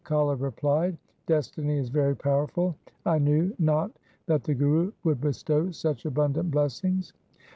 Kala replied, 'Destiny is very powerful. I knew not that the Guru would bestow such abundant blessings.'